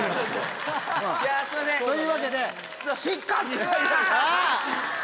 というわけで。